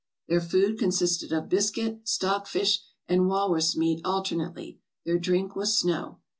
"Their food consisted of biscuit, stock fish, and walrus meat alternately; their drink was snow.